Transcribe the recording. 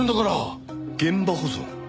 現場保存？